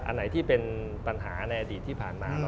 อันไหนที่เป็นปัญหาในอดีตที่ผ่านมา